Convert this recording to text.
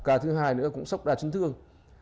ca thứ hai nữa cũng sốc đa chấn thương